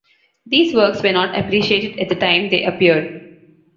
These works were not appreciated at the time they appeared.